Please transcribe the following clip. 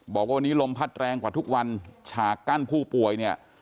บอกว่าวันนี้ลมพัดแรงกว่าทุกวันฉากกั้นผู้ป่วยเนี่ย